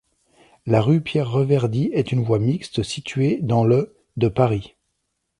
La rue Pierre-Reverdy est une voie mixte située dans le de Paris.